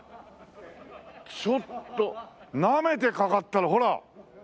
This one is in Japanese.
ちょっとなめてかかったらほら！